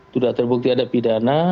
sudah terbukti ada pidana